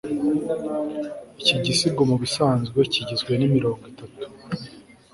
iki gisigo mubisanzwe kigizwe n'imirongo itatu